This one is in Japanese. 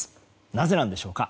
なぜなんでしょうか。